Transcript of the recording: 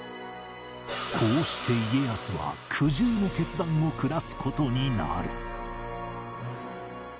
こうして家康は苦渋の決断を下す事になる